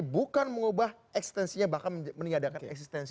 bukan mengubah eksistensinya bahkan meninggalkan eksistensi